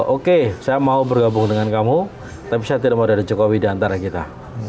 oke saya mau bergabung dengan kamu tapi saya tidak mau dari jokowi diantara kita